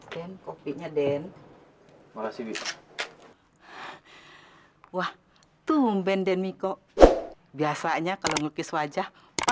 dan kopinya den makasih wah tumben dan miko biasanya kalau ngelukis wajah